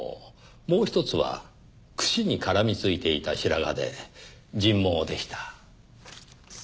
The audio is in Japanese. もう一つはくしに絡み付いていた白髪で人毛でした。